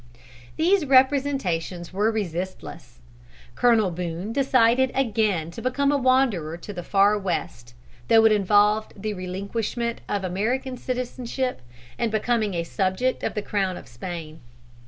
These representations were resistless. Colonel Boone decided again to become a wanderer to the far West, though it involved the relinquishment of American citizenship and becoming a subject of the crown of Spain.